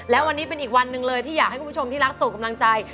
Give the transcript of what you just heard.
และวันนี้เป็นอีกวันหนึ่งเลยที่อยากให้คุณผู้ชมที่รักส่งกำลังใจ